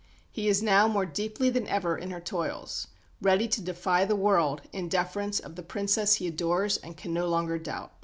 He is now more deeply than ever in her toils, ready to defy the world in defence of the Princess he adores and can no longer doubt.